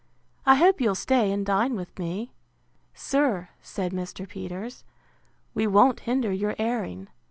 I hope you'll stay and dine with me. Sir, said Mr. Peters, we won't hinder your airing.